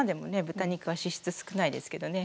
豚肉は脂質少ないですけどね。